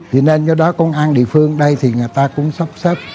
thì nên do đó công an địa phương ở đây thì người ta cũng sắp sắp